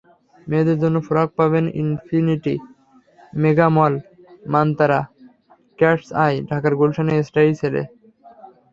মেয়েদের জন্য ফ্রক পাবেন Infinity Mega Mall, Mantra, Cat's Eye, ঢাকার গুলশানের স্টাইলসেলে।